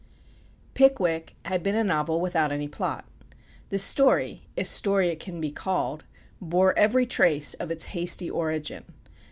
"Pickwick" had been a novel without any plot. The story, if story it can be called, bore every trace of its hasty origin.